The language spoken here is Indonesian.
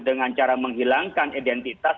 dengan cara menghilangkan identitas